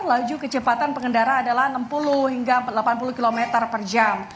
laju kecepatan pengendara adalah enam puluh hingga delapan puluh